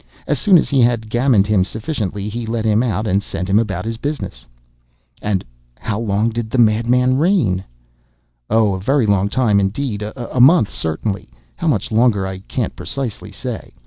As soon as he had gammoned him sufficiently, he let him out, and sent him about his business." "And how long, then, did the madmen reign?" "Oh, a very long time, indeed—a month certainly—how much longer I can't precisely say.